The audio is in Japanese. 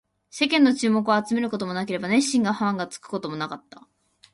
世間の注目を集めることもなければ、熱心なファンがつくこともなかった